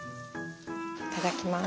いただきます。